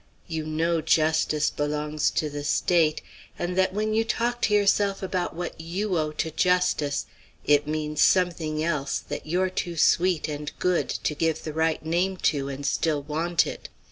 You know justice belongs to the State, and that when you talk to yourself about what you owe to justice, it means something else that you're too sweet and good to give the right name to, and still want it.